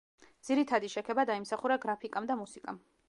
ძირითადი შექება დაიმსახურა გრაფიკამ და მუსიკამ.